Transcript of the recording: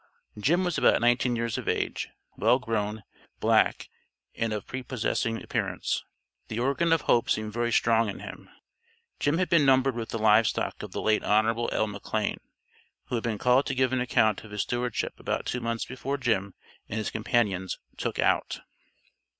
Jim was about nineteen years of age, well grown, black, and of prepossessing appearance. The organ of hope seemed very strong in him. Jim had been numbered with the live stock of the late Hon. L. McLane, who had been called to give an account of his stewardship about two months before Jim and his companions "took out."